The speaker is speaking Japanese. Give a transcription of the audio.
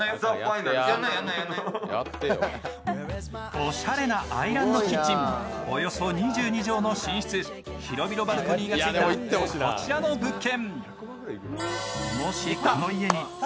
おしゃれなアイランドキッチン、およそ２２畳の寝室、広々バルコニーがついたこちらの物件。